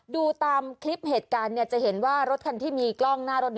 ดูตามคลิปเหตุการณ์จะเห็นว่ารถคันที่มีกล้องหน้ารถ